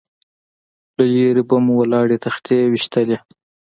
له لرې به مو ولاړې تختې ويشتلې.